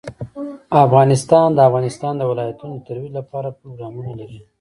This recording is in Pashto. افغانستان د د افغانستان ولايتونه د ترویج لپاره پروګرامونه لري.